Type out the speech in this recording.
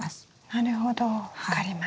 なるほど分かりました。